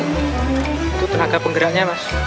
untuk tenaga penggeraknya mas